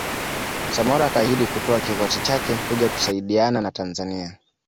Samora akaahidi kutoa kikosi chake kuja kusaidiana na Tanzania